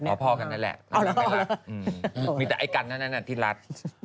พอพอกันนั้นแหละอ๋อเล่ามีแต่ไอ้กันขนาดนั้นนะทีรัฐ